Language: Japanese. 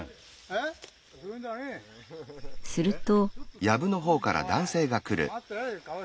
すると。